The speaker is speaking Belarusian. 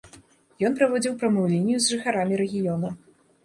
Ён праводзіў прамую лінію з жыхарамі рэгіёна.